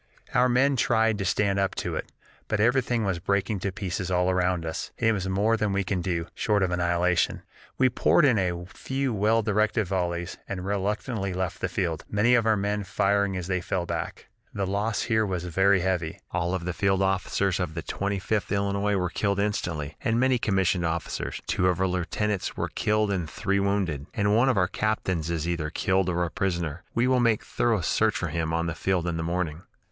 "Our men tried to stand up to it, but everything was breaking to pieces all around us, and it was more than we could do, short of annihilation. We poured in a few well directed volleys, and reluctantly left the field many of our men firing as they fell back. The loss here was very heavy. All the field officers of the Twenty fifth Illinois were killed instantly, and many commissioned officers; two of our lieutenants were killed and three wounded, and one of our captains is either killed or a prisoner. We will make thorough search for him on the field in the morning.